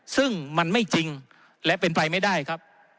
ซึ่งมันไม่จริงและเป็นไปไม่ได้ครับ